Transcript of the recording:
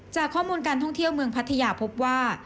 จากข้อมูลการท่องเที่ยวเมืองพัทยาพบว่า